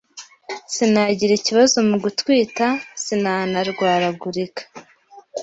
sinagira ikibazo mu gutwita, sinanarwaragurika